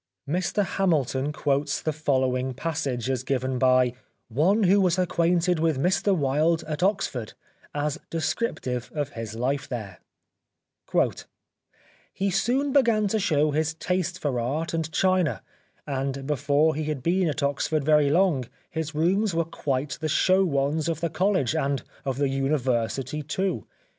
Mr Hamilton quotes the following passage as given by '' one who was acquainted with Mr Wilde at Oxford " as descriptive of his life there :" He soon began to show his taste for art and china, and before he had been at Oxford very long, his rooms were quite the show ones of the college and of the university too.